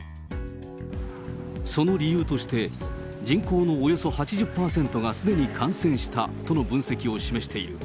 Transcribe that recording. その理由として、人口のおよそ８０％がすでに感染したとの分析を示している。